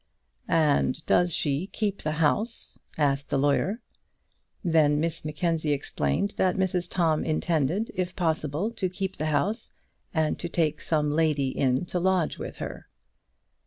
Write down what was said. "And does she keep the house?" asked the lawyer. Then Miss Mackenzie explained that Mrs Tom intended, if possible, to keep the house, and to take some lady in to lodge with her.